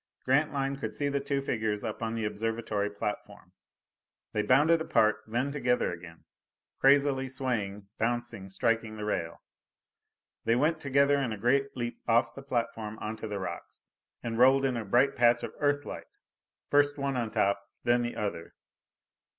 Grantline could see the two figures up on the observatory platform. They bounded apart, then together again. Crazily swaying, bouncing, striking the rail. They went together in a great leap off the platform onto the rocks, and rolled in a bright patch of Earthlight. First one on top, then the other.